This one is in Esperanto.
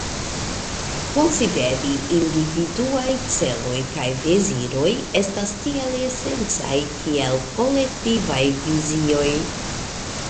Konsideri individuaj celoj kaj deziroj estas tiel esencaj kiel kolektivaj vizioj.